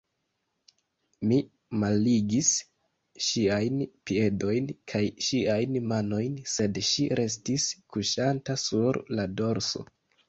Mi malligis ŝiajn piedojn kaj ŝiajn manojn, sed ŝi restis kuŝanta sur la dorso.